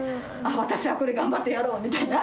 私はこれ頑張ってやろう！みたいな。